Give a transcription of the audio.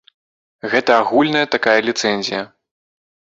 Гэта агульная такая ліцэнзія.